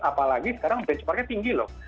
apalagi sekarang benchmarknya tinggi loh